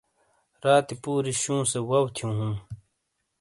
راتی پُوری شُوں سے وَو تھِیوں ہُوں۔